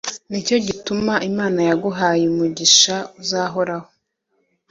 ni cyo gituma Imana yaguhaye umugisha uzahoraho